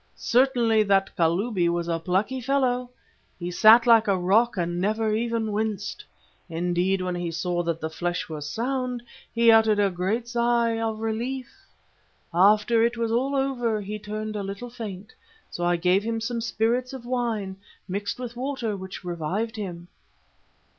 Certainly that Kalubi was a plucky fellow. He sat like a rock and never even winced. Indeed, when he saw that the flesh was sound he uttered a great sigh of relief. After it was all over he turned a little faint, so I gave him some spirits of wine mixed with water which revived him.